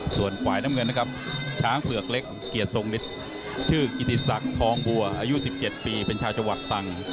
ส่วนฝ่ายน้ำเงินนะครับช้างเผือกเล็กเกียรติทรงฤทธิ์ชื่อกิติศักดิ์ทองบัวอายุ๑๗ปีเป็นชาวจังหวัดตรัง